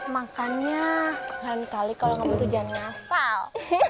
makannya kalau jangan ngasal